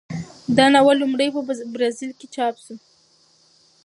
دا ناول لومړی په برازیل کې چاپ شو.